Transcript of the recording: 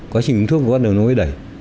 quá trình uống thuốc của con đường nó mới đẩy